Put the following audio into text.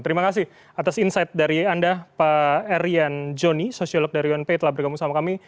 terima kasih atas insight dari anda pak erian joni sosiolog dari unp telah bergabung sama kami